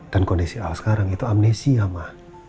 dan kondisi al sekarang itu amnesia ma